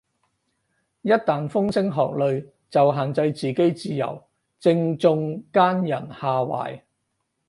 一但風聲鶴唳就限制自己自由，正中奸人下懷